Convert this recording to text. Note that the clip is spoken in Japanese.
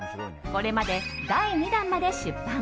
これまで第２弾まで出版。